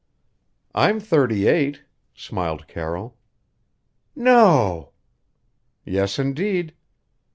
"_ "I'm thirty eight," smiled Carroll. "No?" "Yes, indeed."